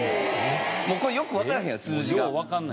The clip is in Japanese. もうこれよくわからへんやん数字が。